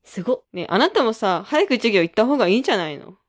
ねえあなたもさ早く授業行ったほうがいいんじゃないの。